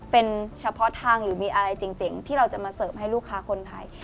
เป็นเฉพาะทางหรือมีอะไรเจ๋งที่เราจะมาเสิร์ฟให้ลูกค้าคนไทย